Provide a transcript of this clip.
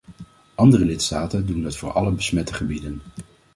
Andere lidstaten doen dat voor alle besmette gebieden.